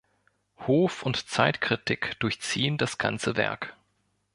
Hof- und Zeitkritik durchziehen das ganze Werk.